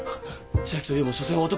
千秋といえどもしょせんは男。